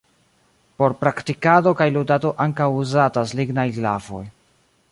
Por praktikado kaj ludado ankaŭ uzatas lignaj glavoj.